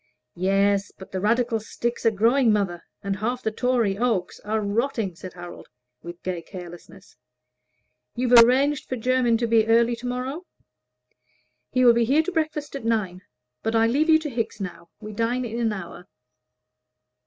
"Yes, but the Radical sticks are growing, mother, and half the Tory oaks are rotting," said Harold, with gay carelessness. "You've arranged for Jermyn to be early to morrow?" "He will be here to breakfast at nine. But I leave you to Hickes now; we dine in an hour."